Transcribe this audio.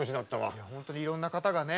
いや本当にいろんな方がね。ね。